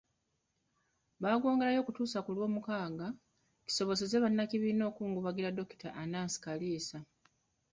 Baagwongerayo okutuusa ku Lwomukaaga, kisobozese bannakibiina okukungubagira Dokita Anaas Kaliisa.